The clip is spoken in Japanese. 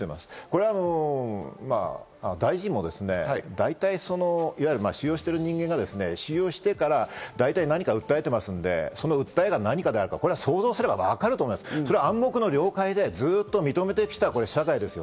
これは大臣も、だいたい収容している人間が、収容してから何か訴えてますんで、その訴えが何であるか想像すればわかると思います、暗黙の了解でずっと認めてきた社会です。